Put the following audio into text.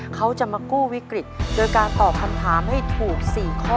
เขาจะมากู้วิกฤตโดยการตอบคำถามให้ถูก๔ข้อ